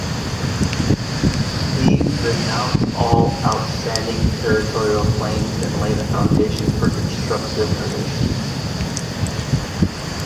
These renounce all outstanding territorial claims and lay the foundation for constructive relations.